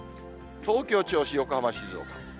東京、銚子、横浜、静岡。